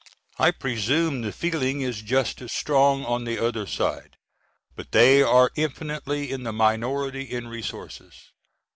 I presume the feeling is just as strong on the other side, but they are infinitely in the minority in resources.